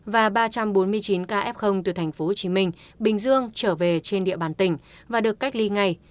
và ba trăm bốn mươi chín ca f từ tp hcm bình dương trở về trên địa bàn tỉnh và được cách ly ngay